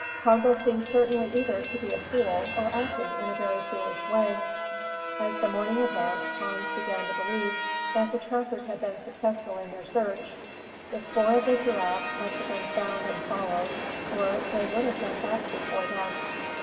Congo seemed certainly either to be a fool or acting in a very foolish way. As the morning advanced, Hans began to believe that the trackers had proved successful in their search. The spoor of the giraffes must have been found and followed, or they would have been back before then.